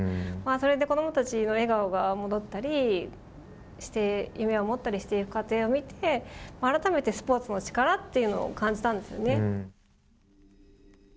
それで子どもたちの笑顔が戻ったり夢を持ったりしている過程を見て改めてスポーツの力というのを感じたんですよね。